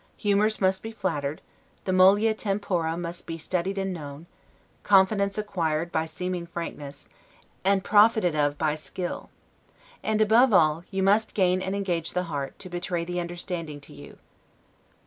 Humors must be flattered; the 'mollia tempora' must be studied and known: confidence acquired by seeming frankness, and profited of by silent skill. And, above all; you must gain and engage the heart, to betray the understanding to you.